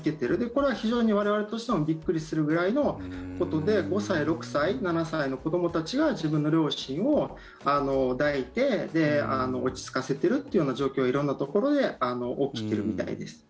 これは非常に我々としてもびっくりするくらいのことで５歳、６歳、７歳の子どもたちが自分の両親を抱いて落ち着かせているというような状況が色んなところで起きているみたいです。